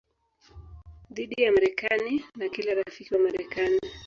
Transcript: dhidi ya Marekani na kila rafiki wa Marekani